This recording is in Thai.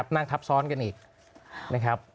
นั่งทับซ้อนกันอีกนะครับ